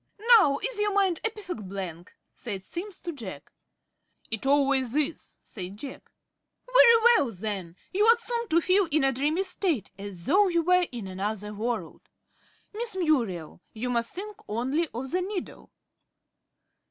"Now is your mind a perfect blank?" said Simms to Jack. "It always is," said Jack. "Very well then. You ought soon to feel in a dreamy state, as though you were in another world. Miss Muriel, you must think only of the needle."